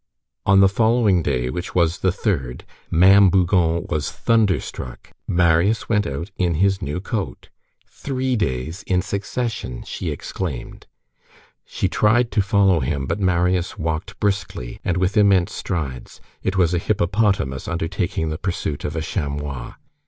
On the following day, which was the third, Ma'am Bougon was thunderstruck. Marius went out in his new coat. "Three days in succession!" she exclaimed. She tried to follow him, but Marius walked briskly, and with immense strides; it was a hippopotamus undertaking the pursuit of a chamois.